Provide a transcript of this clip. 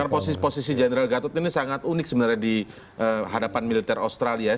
karena posisi posisi general gatot ini sangat unik sebenarnya di hadapan militer australia ya